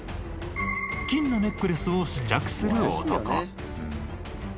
金のネックレスを試着する男。